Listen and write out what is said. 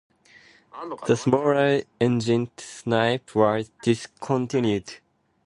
The smaller-engined Snipe was discontinued.